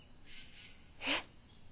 えっ！